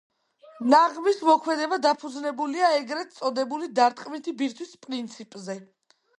ნაღმის მოქმედება დაფუძნებულია ეგრეთ წოდებული დარტყმითი ბირთვის პრინციპზე.